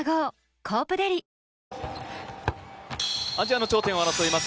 アジアの頂点を争います